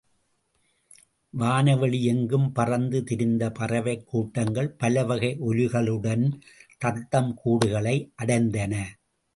வான வெளி எங்கும் பறந்து திரிந்த பறவைக் கூட்டங்கள் பலவகை ஒலிகளுடன் தத்தம் கூடுகளை அடைந்தன.